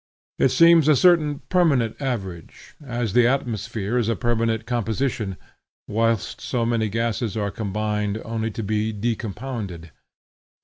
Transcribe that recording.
It seems a certain permanent average; as the atmosphere is a permanent composition, whilst so many gases are combined only to be decompounded.